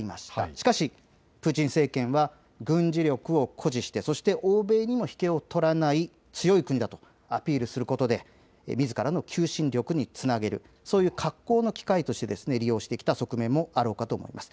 しかしプーチン政権は軍事力を誇示して、そして欧米にも引けを取らない強い国だとアピールすることで、みずからの求心力につなげる、そういう格好の機会として利用してきた側面もあろうかと思います。